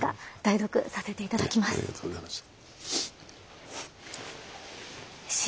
ありがとうございます。